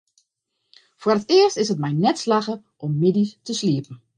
Foar it earst is it my net slagge om middeis te sliepen.